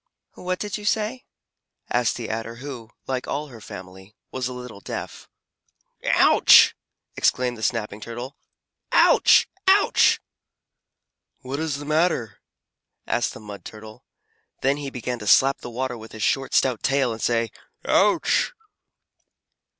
"What did you say?" asked the Adder who, like all her family, was a little deaf. "Ouch!" exclaimed the Snapping Turtle. "Ouch! Ouch!" "What is the matter?" asked the Mud Turtle. Then he began to slap the water with his short, stout tail, and say "Ouch!"